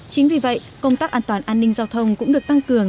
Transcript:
chính vì vậy công tác an toàn an ninh giao thông cũng được tăng cường